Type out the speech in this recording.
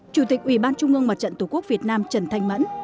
chủ tịch ủy ban trung ương mặt trận tổ quốc việt nam trần thanh mẫn